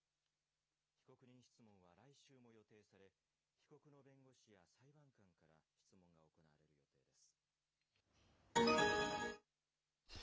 被告人質問は来週も予定され、被告の弁護士や裁判官から質問が行われる予定です。